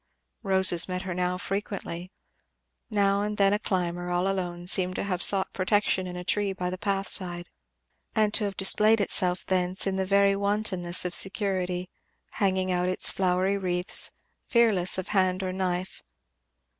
Roses met her now frequently. Now and then a climber, all alone, seemed to have sought protection in a tree by the path side, and to have displayed itself thence in the very wantonness of security, hanging out its flowery wreaths, fearless of hand or knife.